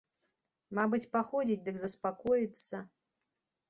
Мабыць, паходзіць, дык заспакоіцца.